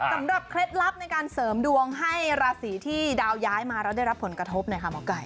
เคล็ดลับในการเสริมดวงให้ราศีที่ดาวย้ายมาแล้วได้รับผลกระทบหน่อยค่ะหมอไก่